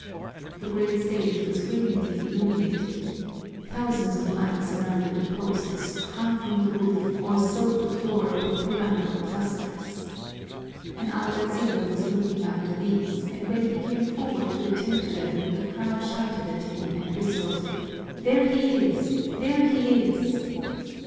The great stage was brilliantly illuminated. Thousands of lights surrounded the posts, hung from the roof, or sowed the floor with pyramidal clusters. An alguazil was looking after these, and when he came forward to attend to them the crowd shouted at him and whistled, "There he is! there he is!"